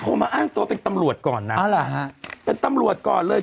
โทรมาอ้างตัวเป็นตำรวจก่อนนะอ๋อเหรอฮะเป็นตำรวจก่อนเลย